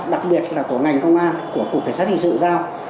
đặc biệt là của ngành công an của cục cảnh sát hình sự giao